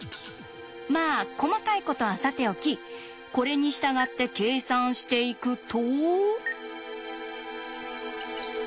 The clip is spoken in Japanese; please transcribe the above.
まあ細かいことはさておきこれに従って計算していくと。